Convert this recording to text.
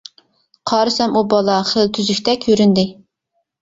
قارىسام ئۇ بالا خېلى تۈزۈكتەك كۆرۈندى.